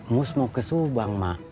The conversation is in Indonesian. mus mau ke subang mak